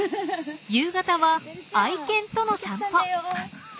夕方は愛犬との散歩。